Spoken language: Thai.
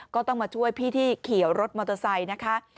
ก็ต้องมาช่วยพี่ที่ขี่รถมอเตอร์ไซค์นะคะ